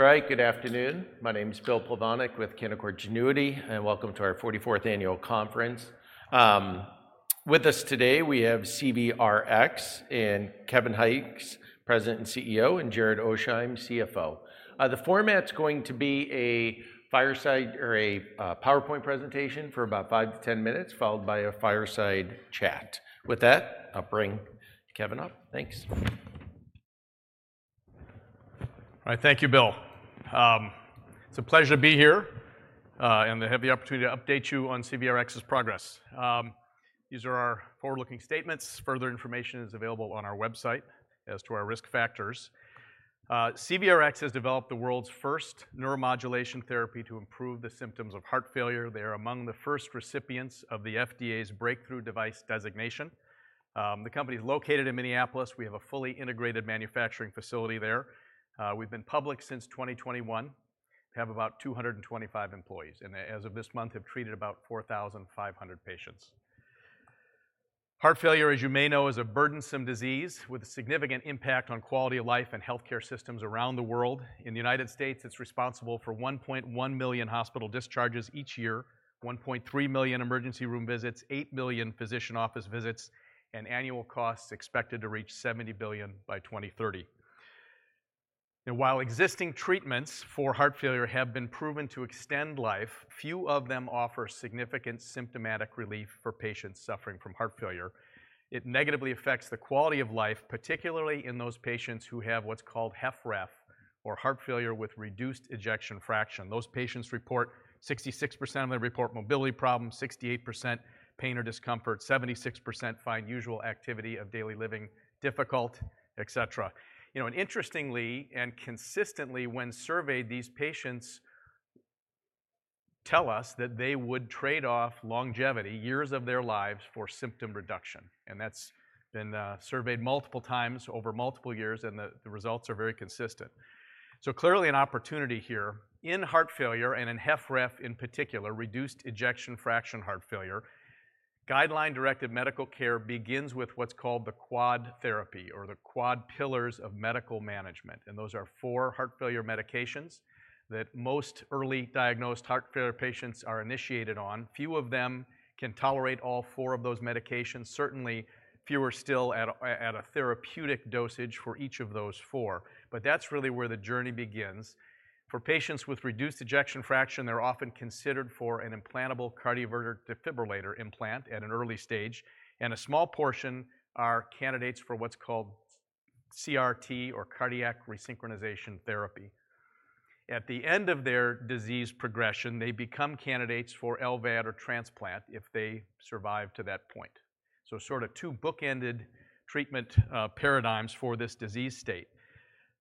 Right, good afternoon. My name is Bill Plovanic with Canaccord Genuity, and welcome to our 44th annual conference. With us today, we have CVRx, and Kevin Hykes, President and CEO, and Jared Oasheim, CFO. The format's going to be a fireside or a PowerPoint presentation for about five to 10 minutes, followed by a fireside chat. With that, I'll bring Kevin up. Thanks. All right. Thank you, Bill. It's a pleasure to be here, and to have the opportunity to update you on CVRx's progress. These are our forward-looking statements. Further information is available on our website as to our risk factors. CVRx has developed the world's first neuromodulation therapy to improve the symptoms of heart failure. They are among the first recipients of the FDA's Breakthrough Device Designation. The company is located in Minneapolis. We have a fully integrated manufacturing facility there. We've been public since 2021, have about 225 employees, and as of this month, have treated about 4,500 patients. Heart failure, as you may know, is a burdensome disease with a significant impact on quality of life and healthcare systems around the world. In the United States, it's responsible for 1.1 million hospital discharges each year, 1.3 million emergency room visits, 8 million physician office visits, and annual costs expected to reach $70 billion by 2030. And while existing treatments for heart failure have been proven to extend life, few of them offer significant symptomatic relief for patients suffering from heart failure. It negatively affects the quality of life, particularly in those patients who have what's called HFrEF, or heart failure with reduced ejection fraction. Those patients, 66% of them, report mobility problems, 68% pain or discomfort, 76% find usual activity of daily living difficult, et cetera. You know, and interestingly and consistently, when surveyed, these patients tell us that they would trade off longevity, years of their lives, for symptom reduction, and that's been surveyed multiple times over multiple years, and the results are very consistent. So clearly an opportunity here in heart failure and in HFrEF in particular, reduced ejection fraction heart failure. Guideline-directed medical care begins with what's called the Quad Therapy or the Quad Pillars of medical management, and those are four heart failure medications that most early diagnosed heart failure patients are initiated on. Few of them can tolerate all four of those medications, certainly fewer still at a therapeutic dosage for each of those four. But that's really where the journey begins. For patients with reduced ejection fraction, they're often considered for an implantable cardioverter defibrillator implant at an early stage, and a small portion are candidates for what's called CRT or cardiac resynchronization therapy. At the end of their disease progression, they become candidates for LVAD or transplant if they survive to that point. So sort of two bookended treatment paradigms for this disease state.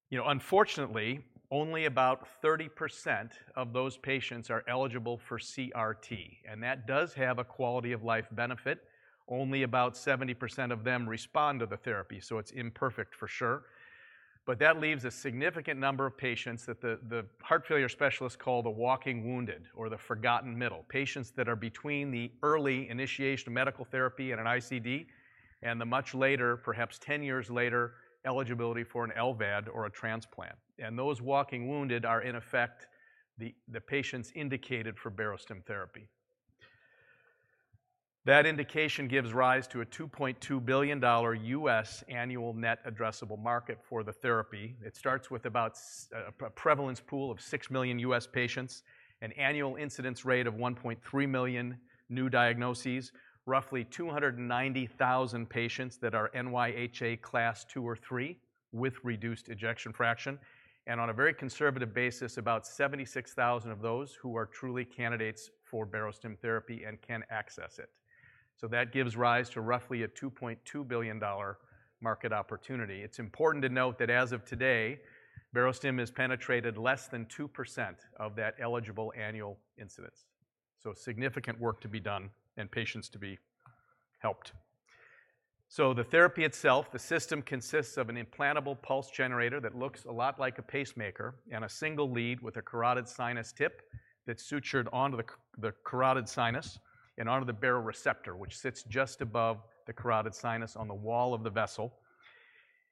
You know, unfortunately, only about 30% of those patients are eligible for CRT, and that does have a quality of life benefit. Only about 70% of them respond to the therapy, so it's imperfect for sure. But that leaves a significant number of patients that the heart failure specialists call the walking wounded or the forgotten middle, patients that are between the early initiation of medical therapy and an ICD, and the much later, perhaps 10 years later, eligibility for an LVAD or a transplant. Those walking wounded are, in effect, the patients indicated for Barostim therapy. That indication gives rise to a $2.2 billion U.S. annual net addressable market for the therapy. It starts with about a prevalence pool of 6 million U.S. patients, an annual incidence rate of 1.3 million new diagnoses, roughly 290,000 patients that are NYHA Class II or III with reduced ejection fraction, and on a very conservative basis, about 76,000 of those who are truly candidates for Barostim therapy and can access it. So that gives rise to roughly a $2.2 billion market opportunity. It's important to note that as of today, Barostim has penetrated less than 2% of that eligible annual incidence, so significant work to be done and patients to be helped. The therapy itself, the system consists of an implantable pulse generator that looks a lot like a pacemaker and a single lead with a carotid sinus tip that's sutured onto the carotid sinus and onto the baroreceptor, which sits just above the carotid sinus on the wall of the vessel.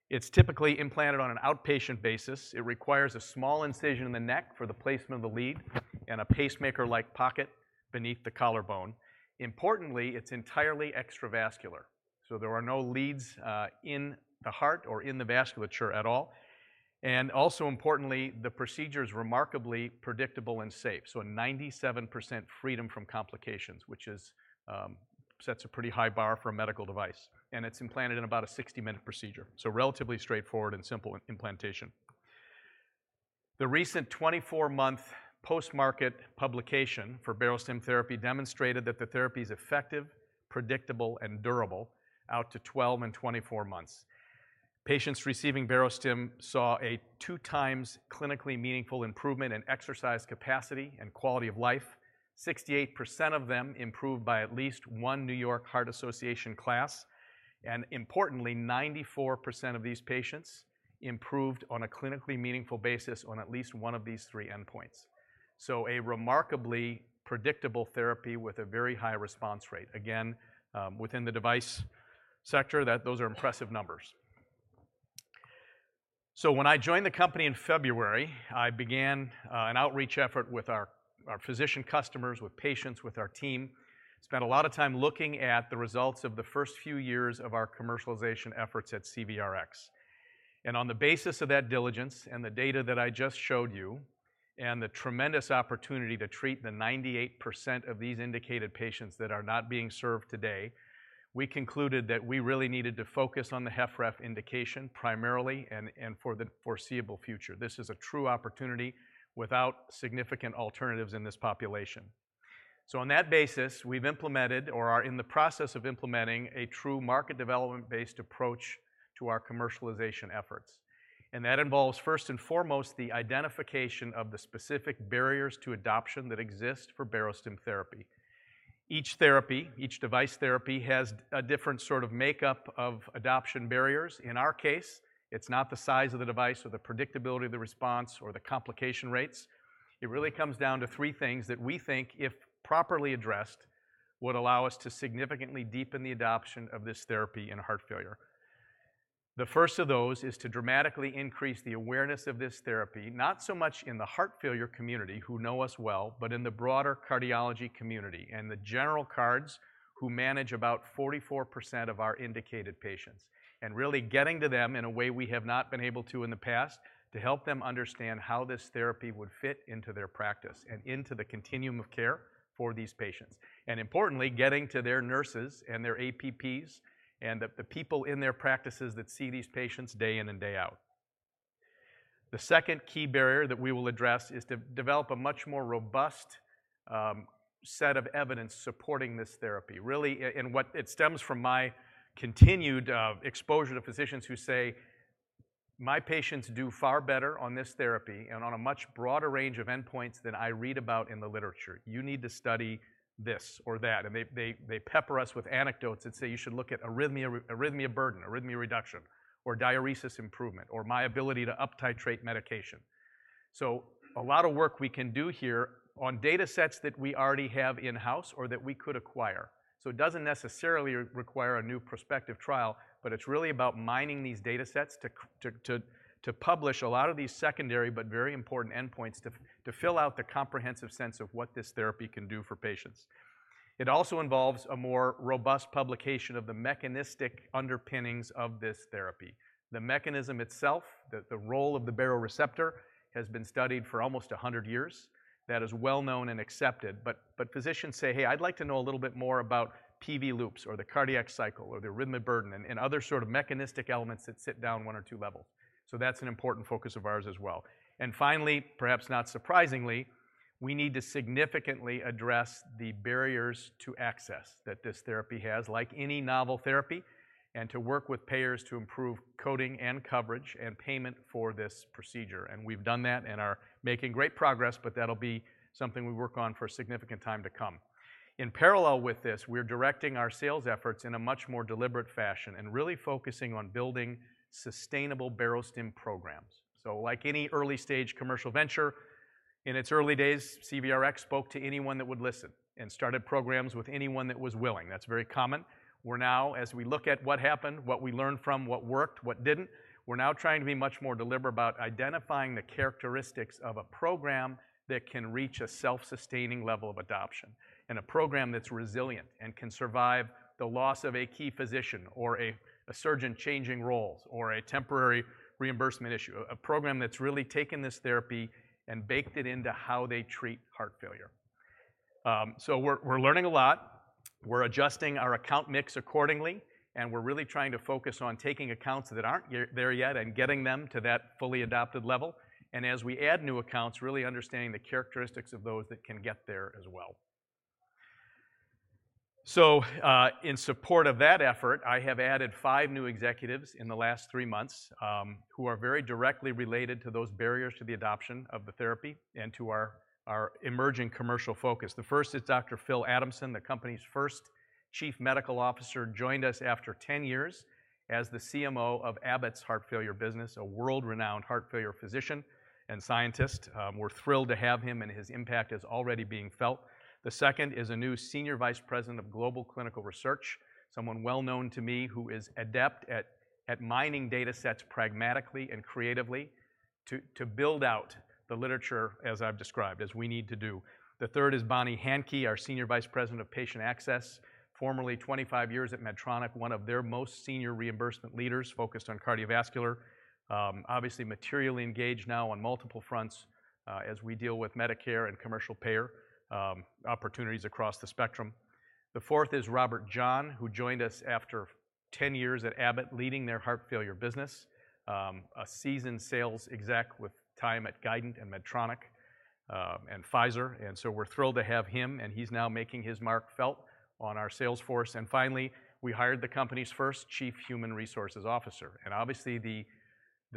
It's typically implanted on an outpatient basis. It requires a small incision in the neck for the placement of the lead and a pacemaker-like pocket beneath the collarbone. Importantly, it's entirely extravascular, so there are no leads in the heart or in the vasculature at all. Also importantly, the procedure is remarkably predictable and safe, so a 97% freedom from complications, which is sets a pretty high bar for a medical device, and it's implanted in about a 60-minute procedure, so relatively straightforward and simple implantation. The recent 24-month post-market publication for Barostim therapy demonstrated that the therapy is effective, predictable, and durable out to 12 and 24 months. Patients receiving Barostim saw a two times clinically meaningful improvement in exercise capacity and quality of life. 68% of them improved by at least one New York Heart Association class, and importantly, 94% of these patients improved on a clinically meaningful basis on at least one of these three endpoints. So a remarkably predictable therapy with a very high response rate. Again, within the device sector, those are impressive numbers. So when I joined the company in February, I began an outreach effort with our, our physician customers, with patients, with our team. Spent a lot of time looking at the results of the first few years of our commercialization efforts at CVRx. And on the basis of that diligence and the data that I just showed you, and the tremendous opportunity to treat the 98% of these indicated patients that are not being served today, we concluded that we really needed to focus on the HFrEF indication primarily and, and for the foreseeable future. This is a true opportunity without significant alternatives in this population. So on that basis, we've implemented or are in the process of implementing a true market development-based approach to our commercialization efforts. And that involves, first and foremost, the identification of the specific barriers to adoption that exist for Barostim therapy. Each therapy, each device therapy has a different sort of makeup of adoption barriers. In our case, it's not the size of the device or the predictability of the response or the complication rates. It really comes down to three things that we think, if properly addressed, would allow us to significantly deepen the adoption of this therapy in heart failure. The first of those is to dramatically increase the awareness of this therapy, not so much in the heart failure community, who know us well, but in the broader cardiology community, and the general cards who manage about 44% of our indicated patients, and really getting to them in a way we have not been able to in the past, to help them understand how this therapy would fit into their practice and into the continuum of care for these patients. Importantly, getting to their nurses and their APPs and the people in their practices that see these patients day in and day out. The second key barrier that we will address is to develop a much more robust set of evidence supporting this therapy. Really, it stems from my continued exposure to physicians who say, "My patients do far better on this therapy and on a much broader range of endpoints than I read about in the literature. You need to study this or that." And they pepper us with anecdotes and say, "You should look at arrhythmia, arrhythmia burden, arrhythmia reduction, or diuresis improvement, or my ability to uptitrate medication." So a lot of work we can do here on datasets that we already have in-house or that we could acquire. So it doesn't necessarily require a new prospective trial, but it's really about mining these datasets to publish a lot of these secondary but very important endpoints, to fill out the comprehensive sense of what this therapy can do for patients. It also involves a more robust publication of the mechanistic underpinnings of this therapy. The mechanism itself, the role of the baroreceptor, has been studied for almost 100 years. That is well known and accepted, but physicians say, "Hey, I'd like to know a little bit more about PV loops or the cardiac cycle or the arrhythmia burden," and other sort of mechanistic elements that sit down one or two level. So that's an important focus of ours as well. Finally, perhaps not surprisingly, we need to significantly address the barriers to access that this therapy has, like any novel therapy, and to work with payers to improve coding and coverage and payment for this procedure, and we've done that and are making great progress, but that'll be something we work on for a significant time to come. In parallel with this, we're directing our sales efforts in a much more deliberate fashion and really focusing on building sustainable Barostim programs. So like any early-stage commercial venture, in its early days, CVRX spoke to anyone that would listen and started programs with anyone that was willing. That's very common. We're now... As we look at what happened, what we learned from, what worked, what didn't, we're now trying to be much more deliberate about identifying the characteristics of a program that can reach a self-sustaining level of adoption, and a program that's resilient and can survive the loss of a key physician or a surgeon changing roles or a temporary reimbursement issue, a program that's really taken this therapy and baked it into how they treat heart failure. So we're learning a lot. We're adjusting our account mix accordingly, and we're really trying to focus on taking accounts that aren't there yet and getting them to that fully adopted level, and as we add new accounts, really understanding the characteristics of those that can get there as well. In support of that effort, I have added five new executives in the last three months, who are very directly related to those barriers to the adoption of the therapy and to our emerging commercial focus. The first is Dr. Phil Adamson, the company's first Chief Medical Officer, joined us after 10 years as the CMO of Abbott's heart failure business, a world-renowned heart failure physician and scientist. We're thrilled to have him, and his impact is already being felt. The second is a new Senior Vice President of global clinical research, someone well known to me, who is adept at mining datasets pragmatically and creatively to build out the literature as I've described, as we need to do. The third is Bonnie Handke, our Senior Vice President of Patient Access, formerly 25 years at Medtronic, one of their most senior reimbursement leaders focused on cardiovascular. Obviously materially engaged now on multiple fronts, as we deal with Medicare and commercial payer opportunities across the spectrum. The fourth is Robert John, who joined us after 10 years at Abbott, leading their heart failure business, a seasoned sales exec with time at Guidant and Medtronic, and Pfizer, and so we're thrilled to have him, and he's now making his mark felt on our sales force. And finally, we hired the company's first Chief Human Resources Officer, and obviously, the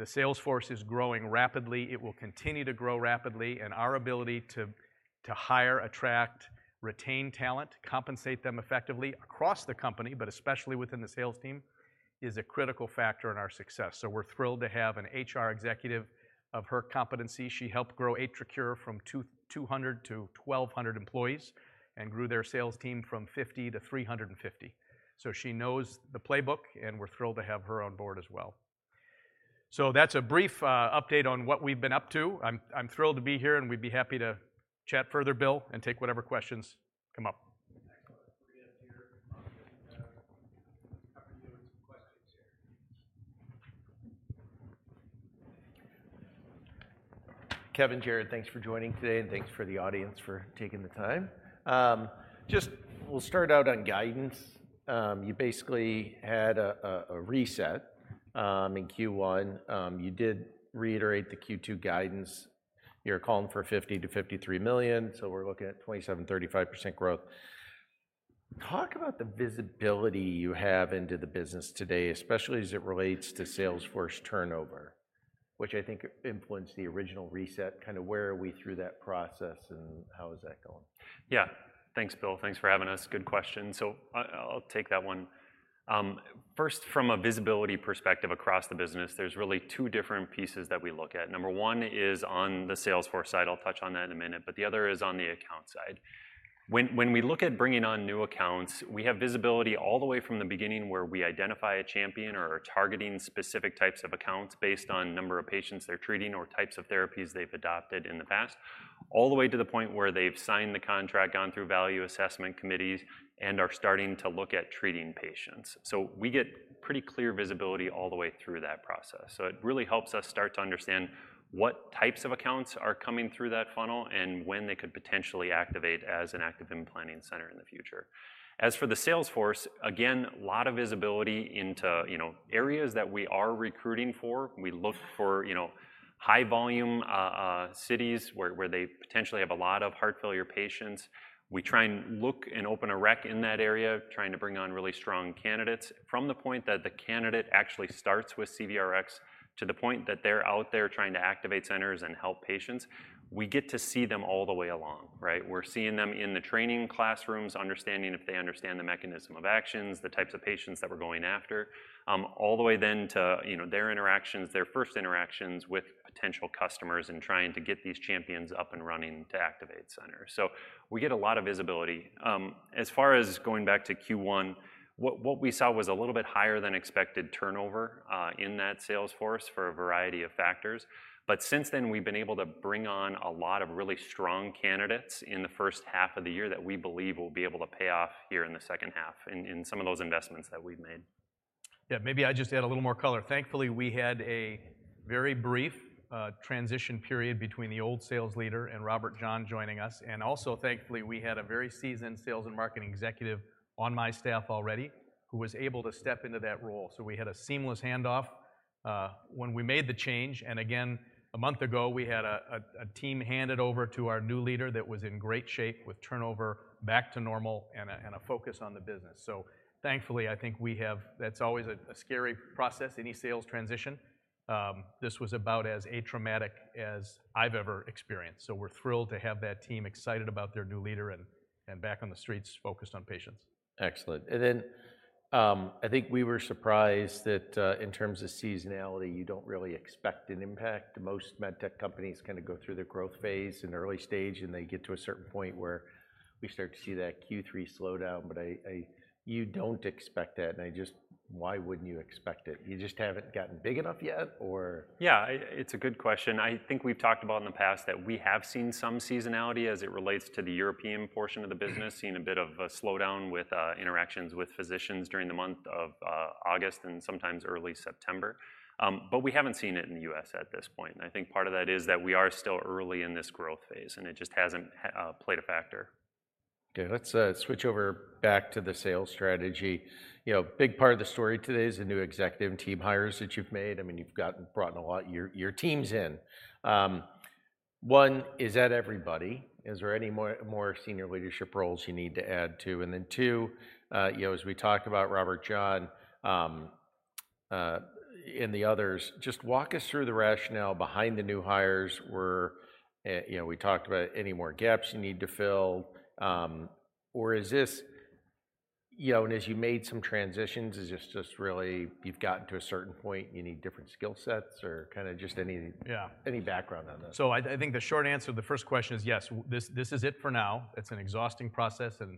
sales force is growing rapidly. It will continue to grow rapidly, and our ability to hire, attract, retain talent, compensate them effectively across the company, but especially within the sales team, is a critical factor in our success. So we're thrilled to have an HR executive of her competency. She helped grow AtriCure from 200 to 1,200 employees and grew their sales team from 50 to 350. So she knows the playbook, and we're thrilled to have her on board as well. So that's a brief update on what we've been up to. I'm thrilled to be here, and we'd be happy to chat further, Bill, and take whatever questions come up. Excellent. We have here, cover you with some questions here. Kevin, Jared, thanks for joining today, and thanks for the audience for taking the time. Just we'll start out on guidance. You basically had a reset in Q1. You did reiterate the Q2 guidance. You're calling for $50 million-$53 million, so we're looking at 27%-35% growth. Talk about the visibility you have into the business today, especially as it relates to sales force turnover, which I think influenced the original reset. Kinda where are we through that process, and how is that going? Yeah. Thanks, Bill. Thanks for having us. Good question. So I, I'll take that one. First, from a visibility perspective across the business, there's really two different pieces that we look at. Number one is on the sales force side, I'll touch on that in a minute, but the other is on the account side. When we look at bringing on new accounts, we have visibility all the way from the beginning, where we identify a champion or are targeting specific types of accounts based on number of patients they're treating or types of therapies they've adopted in the past, all the way to the point where they've signed the contract, gone through value assessment committees, and are starting to look at treating patients. So we get pretty clear visibility all the way through that process. So it really helps us start to understand what types of accounts are coming through that funnel and when they could potentially activate as an active implanting center in the future. As for the sales force, again, a lot of visibility into, you know, areas that we are recruiting for. We look for, you know, high-volume cities where they potentially have a lot of heart failure patients. We try and look and open a rec in that area, trying to bring on really strong candidates. From the point that the candidate actually starts with CVRX, to the point that they're out there trying to activate centers and help patients, we get to see them all the way along, right? We're seeing them in the training classrooms, understanding if they understand the mechanism of actions, the types of patients that we're going after. All the way then to, you know, their interactions, their first interactions with potential customers and trying to get these champions up and running to activate centers. So we get a lot of visibility. As far as going back to Q1, what we saw was a little bit higher than expected turnover in that sales force for a variety of factors. But since then, we've been able to bring on a lot of really strong candidates in the first half of the year that we believe will be able to pay off here in the second half, in some of those investments that we've made. Yeah, maybe I'll just add a little more color. Thankfully, we had a very brief transition period between the old sales leader and Robert John joining us, and also thankfully, we had a very seasoned sales and marketing executive on my staff already, who was able to step into that role, so we had a seamless handoff. When we made the change, and again, a month ago, we had a team handed over to our new leader that was in great shape, with turnover back to normal and a focus on the business. So thankfully, I think we have... That's always a scary process, any sales transition. This was about as atraumatic as I've ever experienced. So we're thrilled to have that team excited about their new leader and back on the streets, focused on patients. Excellent. Then, I think we were surprised that in terms of seasonality, you don't really expect an impact. Most med tech companies kind of go through the growth phase in early stage, and they get to a certain point where we start to see that Q3 slowdown. You don't expect that, and why wouldn't you expect it? You just haven't gotten big enough yet or? Yeah, it's a good question. I think we've talked about in the past that we have seen some seasonality as it relates to the European portion of the business- Mm... seen a bit of a slowdown with interactions with physicians during the month of August and sometimes early September. But we haven't seen it in the U.S. at this point, and I think part of that is that we are still early in this growth phase, and it just hasn't played a factor. Okay, let's switch over back to the sales strategy. You know, big part of the story today is the new executive team hires that you've made. I mean, you've gotten—brought in a lot your, your teams in. One, is that everybody? Is there any more senior leadership roles you need to add to? And then two, you know, as we talk about Robert John and the others, just walk us through the rationale behind the new hires where, you know, we talked about any more gaps you need to fill. Or is this... You know, and as you made some transitions, is this just really you've gotten to a certain point, you need different skill sets? Or kinda just any- Yeah... any background on that. So I think the short answer to the first question is yes, this is it for now. It's an exhausting process and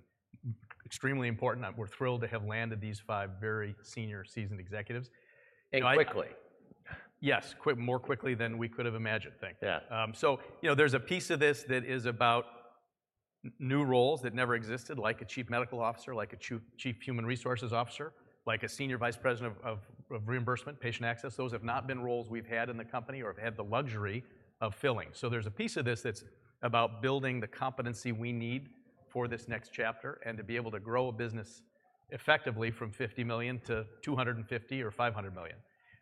extremely important, and we're thrilled to have landed these five very senior seasoned executives. I- And quickly. Yes, more quickly than we could have imagined. Thank you. Yeah. So you know, there's a piece of this that is about new roles that never existed, like a Chief Medical Officer, like a Chief Human Resources Officer, like a senior vice president of reimbursement, patient access. Those have not been roles we've had in the company or have had the luxury of filling. So there's a piece of this that's about building the competency we need for this next chapter, and to be able to grow a business effectively from $50 million to $250 million or $500 million.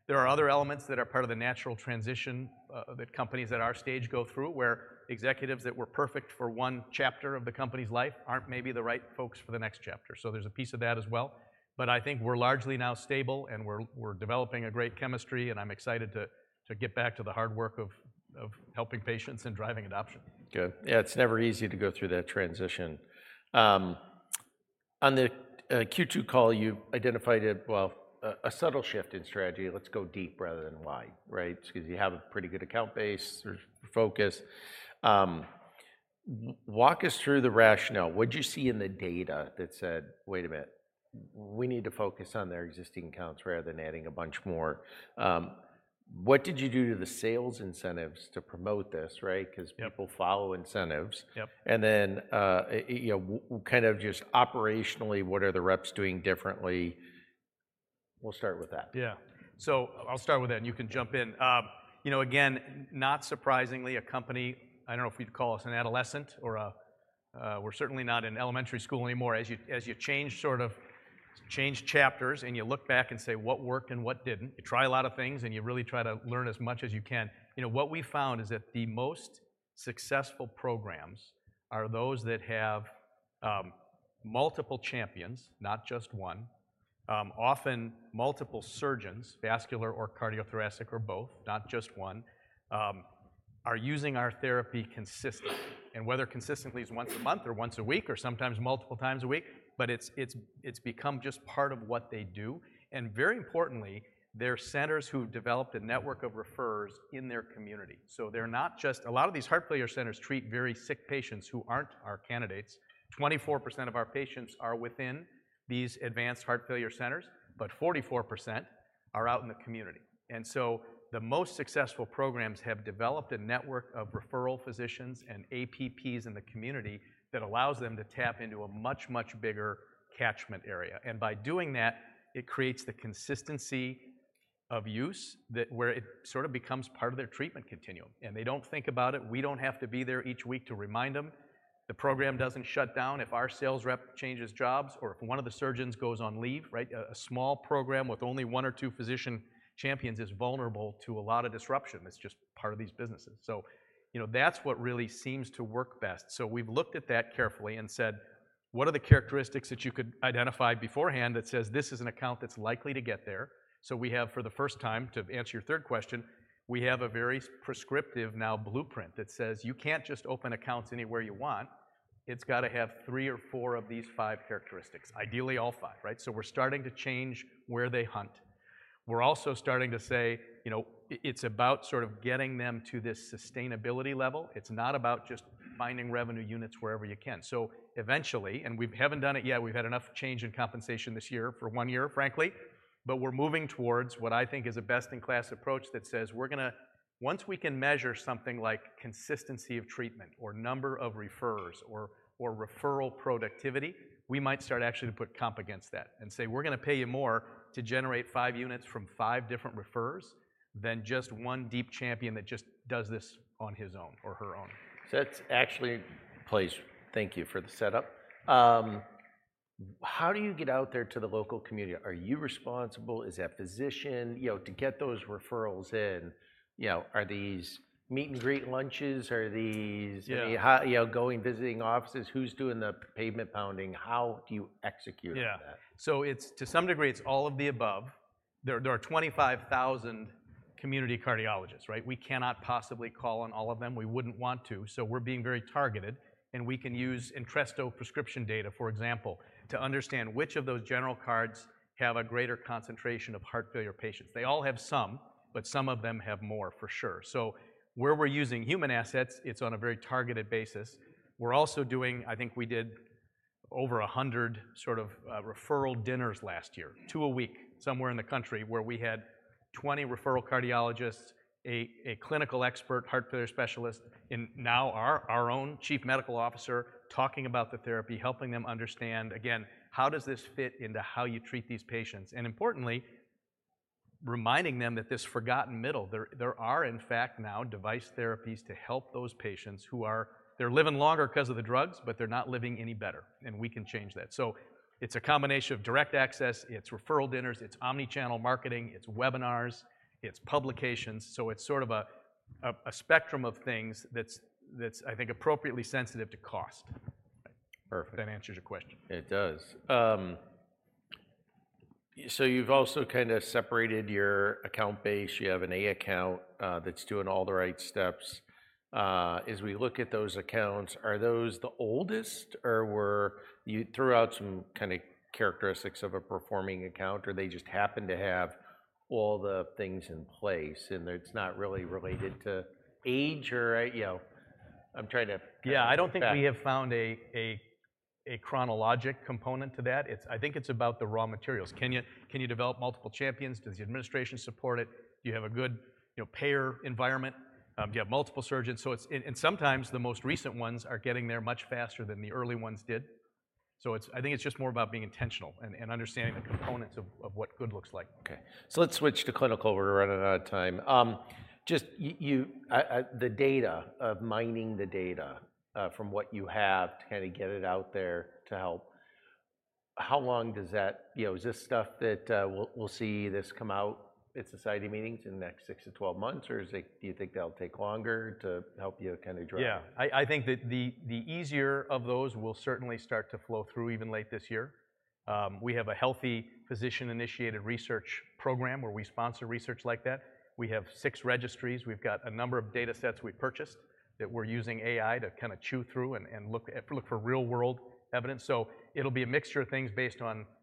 There are other elements that are part of the natural transition that companies at our stage go through, where executives that were perfect for one chapter of the company's life aren't maybe the right folks for the next chapter. So there's a piece of that as well, but I think we're largely now stable, and we're developing a great chemistry, and I'm excited to get back to the hard work of helping patients and driving adoption. Good. Yeah, it's never easy to go through that transition. On the Q2 call, you identified it, well, a subtle shift in strategy, let's go deep rather than wide, right? Because you have a pretty good account base or focus. Walk us through the rationale. What'd you see in the data that said, "Wait a minute, we need to focus on their existing accounts rather than adding a bunch more?" What did you do to the sales incentives to promote this, right? 'Cause- Yep. People follow incentives. Yep. And then, you know, kind of just operationally, what are the reps doing differently? We'll start with that. Yeah. So I'll start with that, and you can jump in. You know, again, not surprisingly, a company, I don't know if we'd call us an adolescent or a... We're certainly not in elementary school anymore. As you change, sort of, change chapters and you look back and say what worked and what didn't, you try a lot of things, and you really try to learn as much as you can. You know, what we found is that the most successful programs are those that have multiple champions, not just one. Often, multiple surgeons, vascular or cardiothoracic or both, not just one, are using our therapy consistently. And whether consistently is once a month or once a week, or sometimes multiple times a week, but it's become just part of what they do. Very importantly, they're centers who've developed a network of referrers in their community. So they're not just... A lot of these heart failure centers treat very sick patients who aren't our candidates. 24% of our patients are within these advanced heart failure centers, but 44% are out in the community. So the most successful programs have developed a network of referral physicians and APPs in the community that allows them to tap into a much, much bigger catchment area. By doing that, it creates the consistency of use that, where it sort of becomes part of their treatment continuum. They don't think about it, we don't have to be there each week to remind them. The program doesn't shut down if our sales rep changes jobs, or if one of the surgeons goes on leave, right? A small program with only one or two physician champions is vulnerable to a lot of disruption. It's just part of these businesses. So, you know, that's what really seems to work best. So we've looked at that carefully and said: What are the characteristics that you could identify beforehand that says, "This is an account that's likely to get there?" So we have, for the first time, to answer your third question, we have a very prescriptive now blueprint that says, "You can't just open accounts anywhere you want. It's gotta have three or four of these five characteristics." Ideally, all five, right? So we're starting to change where they hunt. We're also starting to say, you know, it's about sort of getting them to this sustainability level. It's not about just finding revenue units wherever you can. So eventually, and we haven't done it yet, we've had enough change in compensation this year for one year, frankly, but we're moving towards what I think is a best-in-class approach that says we're gonna... Once we can measure something like consistency of treatment or number of referrers or, or referral productivity, we might start actually to put comp against that and say, "We're gonna pay you more to generate five units from five different referrers than just one deep champion that just does this on his own or her own. That's actually—please, thank you for the setup. How do you get out there to the local community? Are you responsible? Is that physician? You know, to get those referrals in, you know, are these meet and greet lunches? Are these- Yeah... you know, you know, going, visiting offices, who's doing the pavement pounding? How do you execute on that? Yeah. So it's, to some degree, it's all of the above. There, there are 25,000 community cardiologists, right? We cannot possibly call on all of them. We wouldn't want to, so we're being very targeted, and we can use Entresto prescription data, for example, to understand which of those general cardiologists have a greater concentration of heart failure patients. They all have some, but some of them have more, for sure. So where we're using human assets, it's on a very targeted basis. We're also doing... I think we did over 100, sort of, referral dinners last year. Mm. to a week, somewhere in the country, where we had 20 referral cardiologists, a clinical expert, heart failure specialist, and now our own Chief Medical Officer, talking about the therapy, helping them understand, again, how does this fit into how you treat these patients? And importantly, reminding them that this forgotten middle, there are, in fact, now device therapies to help those patients who are—they're living longer 'cause of the drugs, but they're not living any better, and we can change that. So it's a combination of direct access, it's referral dinners, it's omni-channel marketing, it's webinars, it's publications. So it's sort of a spectrum of things that's, I think, appropriately sensitive to cost. Perfect. If that answers your question. It does. So you've also kind of separated your account base. You have an A account that's doing all the right steps. As we look at those accounts, are those the oldest, or you threw out some kind of characteristics of a performing account, or they just happen to have all the things in place, and it's not really related to age or, you know? I'm trying to kind of- Yeah, I don't think we have found a chronologic component to that. It's—I think it's about the raw materials. Can you develop multiple champions? Does the administration support it? Do you have a good, you know, payer environment? Do you have multiple surgeons? So it's... And sometimes the most recent ones are getting there much faster than the early ones did. So it's, I think it's just more about being intentional and understanding the components of what good looks like. Okay, so let's switch to clinical. We're running out of time. Just you, the data, of mining the data, from what you have to kind of get it out there to help, how long does that... You know, is this stuff that we'll see this come out at society meetings in the next six to 12 months, or is it, do you think that'll take longer to help you kind of drive? Yeah. I think that the easier of those will certainly start to flow through even late this year. We have a healthy physician-initiated research program, where we sponsor research like that. We have six registries, we've got a number of data sets we've purchased that we're using AI to kind of chew through and look for real-world evidence. So it'll be a mixture of things based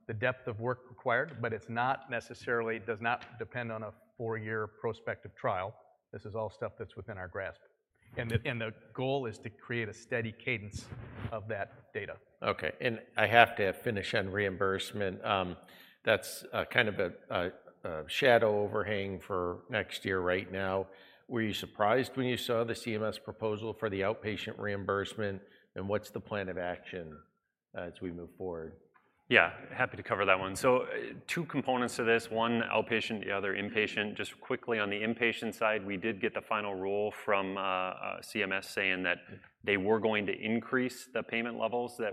on the depth of work required, but it's not necessarily- does not depend on a four-year prospective trial. This is all stuff that's within our grasp.... the goal is to create a steady cadence of that data. Okay, and I have to finish on reimbursement. That's kind of a shadow overhang for next year right now. Were you surprised when you saw the CMS proposal for the outpatient reimbursement, and what's the plan of action as we move forward? Yeah, happy to cover that one. So, two components to this, one, outpatient, the other, inpatient. Just quickly on the inpatient side, we did get the final rule from CMS, saying that they were going to increase the payment levels that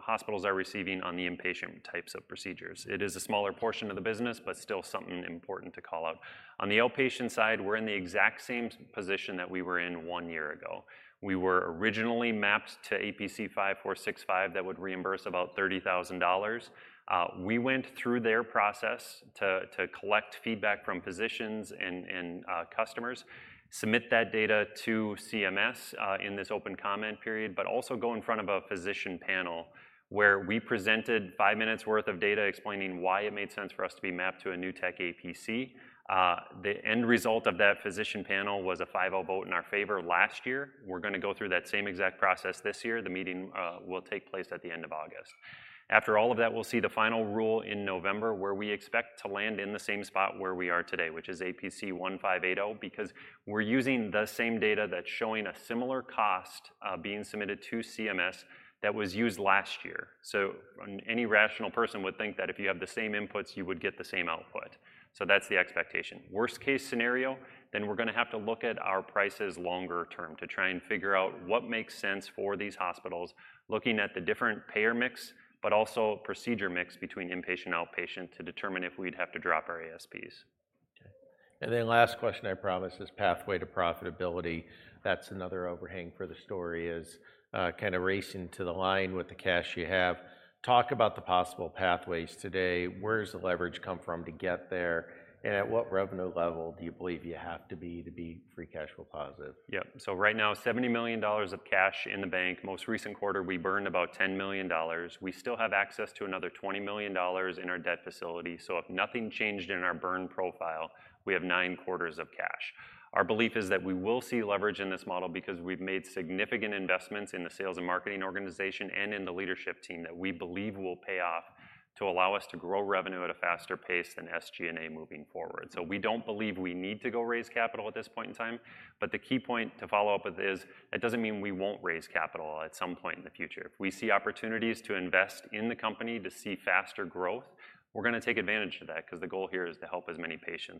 hospitals are receiving on the inpatient types of procedures. It is a smaller portion of the business, but still something important to call out. On the outpatient side, we're in the exact same position that we were in one year ago. We were originally mapped to APC 5465 that would reimburse about $30,000. We went through their process to collect feedback from physicians and customers, submit that data to CMS in this open comment period. Also go in front of a physician panel, where we presented five minutes' worth of data explaining why it made sense for us to be mapped to a new tech APC. The end result of that physician panel was a 5-0 vote in our favor last year. We're gonna go through that same exact process this year. The meeting will take place at the end of August. After all of that, we'll see the final rule in November, where we expect to land in the same spot where we are today, which is APC 1580, because we're using the same data that's showing a similar cost being submitted to CMS that was used last year. Any rational person would think that if you have the same inputs, you would get the same output, so that's the expectation. Worst case scenario, then we're gonna have to look at our prices longer term, to try and figure out what makes sense for these hospitals, looking at the different payer mix, but also procedure mix between inpatient and outpatient, to determine if we'd have to drop our ASPs. Okay, and then last question, I promise, is pathway to profitability. That's another overhang for the story, is, kinda racing to the line with the cash you have. Talk about the possible pathways today. Where does the leverage come from to get there, and at what revenue level do you believe you have to be to be free cash flow positive? Yep. So right now, $70 million of cash in the bank. Most recent quarter, we burned about $10 million. We still have access to another $20 million in our debt facility, so if nothing changed in our burn profile, we have nine quarters of cash. Our belief is that we will see leverage in this model because we've made significant investments in the sales and marketing organization and in the leadership team that we believe will pay off to allow us to grow revenue at a faster pace than SG&A moving forward. So we don't believe we need to go raise capital at this point in time. But the key point to follow up with is, it doesn't mean we won't raise capital at some point in the future. If we see opportunities to invest in the company to see faster growth, we're gonna take advantage of that, 'cause the goal here is to help as many patients-